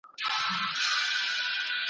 پښتو ښايي کلتور وساتي.